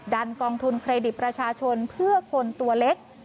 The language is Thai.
กองทุนเครดิตประชาชนเพื่อคนตัวเล็ก